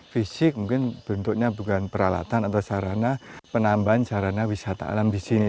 fisik mungkin bentuknya bukan peralatan atau sarana penambahan sarana wisata alam di sini